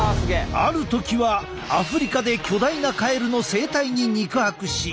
ある時はアフリカで巨大なカエルの生態に肉薄し。